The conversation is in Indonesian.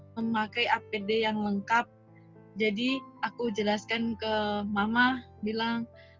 memakai apd yang lengkap jadi aku jelaskan ke mama bilang